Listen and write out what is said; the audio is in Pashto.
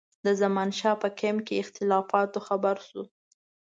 د زمانشاه په کمپ کې اختلافاتو خبر شو.